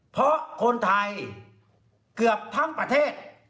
เพราะคนไทยเกือบทั้งประเทศ